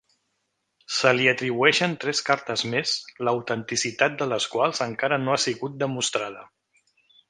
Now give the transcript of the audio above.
Se li atribueixen tres cartes més, l'autenticitat de les quals encara no ha sigut demostrada.